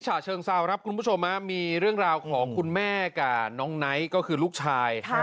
ฉะเชิงเซาครับคุณผู้ชมมีเรื่องราวของคุณแม่กับน้องไนท์ก็คือลูกชาย